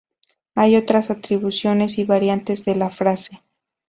Hay otras atribuciones, y variantes de la frase.